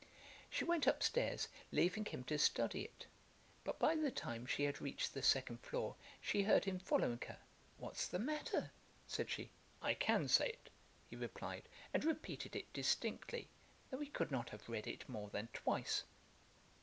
She went up stairs, leaving him to study it: But by the time she had reached the second floor, she heard him following her. 'What's the matter?' said she. 'I can say it,' he replied; and repeated it distinctly, though he could not have read it more than twice.